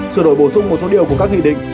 sửa đổi bổ sung một số điều của các nghị định